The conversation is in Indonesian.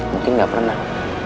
mungkin gak pernah